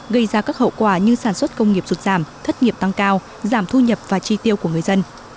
gây ra các hậu quả như sản xuất công nghiệp sụt giảm thất nghiệp tăng cao giảm thu nhập và chi tiêu của người dân